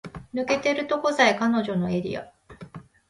抜けてるとこさえ彼女のエリア